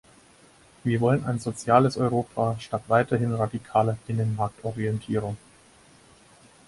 Wir wollen ein soziales Europa statt weiterhin radikaler Binnenmarktorientierung.